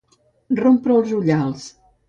Rompre els ullals.